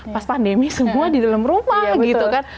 pas pandemi semua di dalam rumah gitu kan